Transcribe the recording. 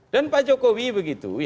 dan pak jokowi begitu